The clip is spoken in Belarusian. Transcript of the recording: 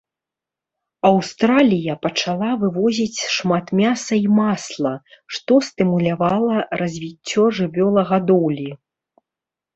Аўстралія пачала вывозіць шмат мяса і масла, што стымулявала развіццё жывёлагадоўлі.